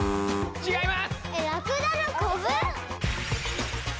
ちがいます。